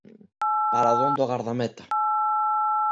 Paradón do gardameta.